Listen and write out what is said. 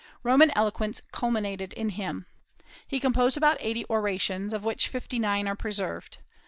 Roman eloquence culminated in him. He composed about eighty orations, of which fifty nine are preserved.